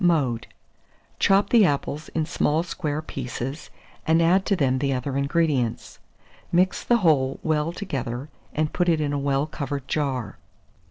Mode. Chop the apples in small square pieces, and add to them the other ingredients. Mix the whole well together, and put in a well covered jar.